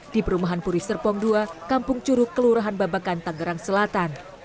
di perumahan puri serpong dua kampung curug kelurahan babakan tangerang selatan